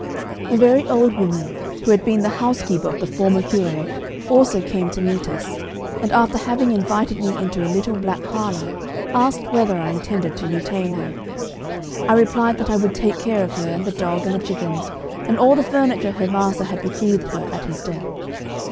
A very old woman, who had been the housekeeper of the former curé, also came to meet us, and after having invited me into a little back parlour, asked whether I intended to retain her. I replied that I would take care of her, and the dog, and the chickens, and all the furniture her master had bequeathed her at his death.